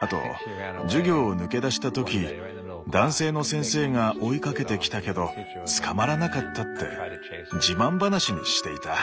あと授業を抜け出した時男性の先生が追いかけてきたけど捕まらなかったって自慢話にしていた。